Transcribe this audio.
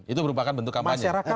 itu merupakan bentuk kampanye